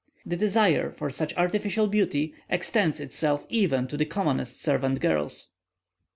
The desire for such artificial beauty extends itself even to the commonest servant girls.